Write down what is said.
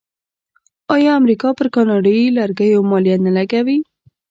آیا امریکا پر کاناډایی لرګیو مالیه نه لګوي؟